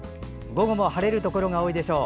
午後も晴れるところが多いでしょう。